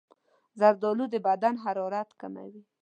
زردالو د بدن حرارت کموي.